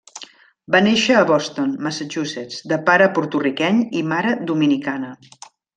Va néixer a Boston, Massachusetts, de pare porto-riqueny i mare dominicana.